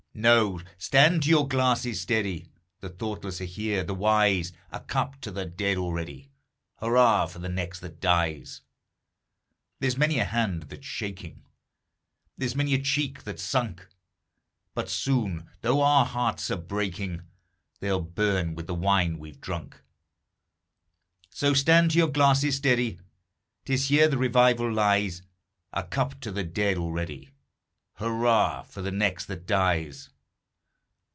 No! stand to your glasses, steady! The thoughtless are here the wise; A cup to the dead already Hurrah for the next that dies! There's many a hand that's shaking, There's many a cheek that's sunk; But soon, though our hearts are breaking, They'll burn with the wine we've drunk. So stand to your glasses, steady! 'T is here the revival lies; A cup to the dead already Hurrah for the next that dies!